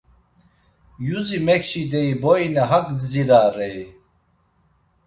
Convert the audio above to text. Yuzi mekçi deyi boyine hak gdzirarei?